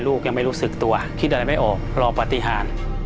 ลูกยังไม่รู้สึกตัวคิดอะไรไม่ออกรอปฏิหาร